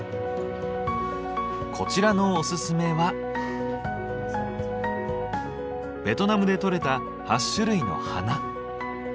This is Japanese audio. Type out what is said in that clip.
こちらのおすすめはベトナムでとれた８種類の花。